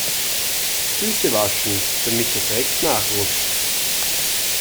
Füße waschen, damit der Dreck nachrutscht.